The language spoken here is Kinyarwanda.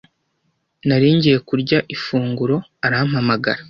Nari ngiye kurya ifunguro, arampamagara.